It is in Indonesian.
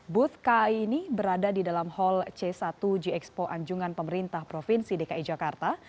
booth ka ini berada di dalam hall c satu gxpo anjungan pemerintah provinsi dki jakarta